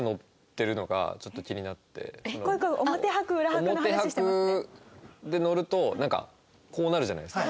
表拍でノるとなんかこうなるじゃないですか。